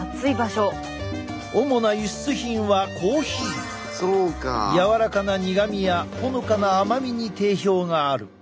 主な輸出品はやわらかな苦みやほのかな甘みに定評がある。